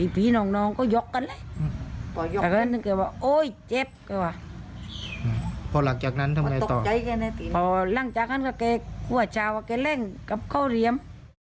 พอหลักจากนั้นทำไมต่อ